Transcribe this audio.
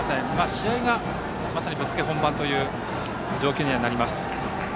試合がまさにぶっつけ本番という状況になります。